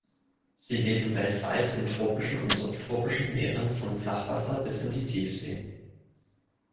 Sie leben weltweit in tropischen und subtropischen Meeren vom Flachwasser bis in die Tiefsee.